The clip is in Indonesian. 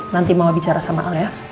nanti mau bicara sama al ya